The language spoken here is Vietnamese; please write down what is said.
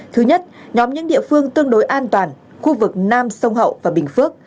thứ nhất nhóm những địa phương tương đối an toàn khu vực nam sông hậu và bình phước